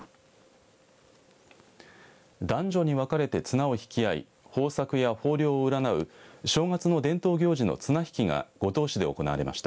男女に分かれて、綱を引き合い豊作や豊漁を占う正月の伝統行事の綱引きが五島市で行われました。